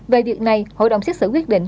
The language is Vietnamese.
về việc này hội đồng xét xử quyết định